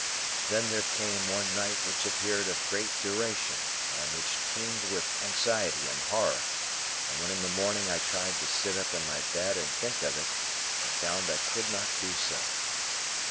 Then there came, one night which appeared of great duration, and which teemed with anxiety and horror; and when in the morning I tried to sit up in my bed and think of it, I found I could not do so.